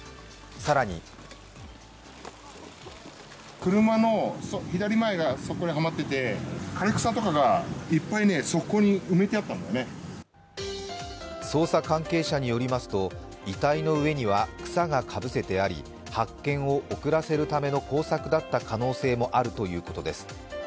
更に捜査関係者によりますと、遺体の上には草がかぶせてあり発見を遅らせるための工作だった可能性もあるということです。